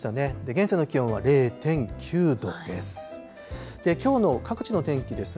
現在の気温は０．９度です。